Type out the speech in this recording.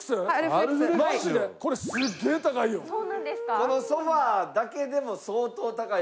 このソファだけでも相当高いらしいです。